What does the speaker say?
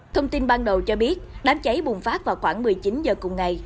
thông tin ban đầu cho biết đám cháy bùng phát vào khoảng một mươi chín h cùng ngày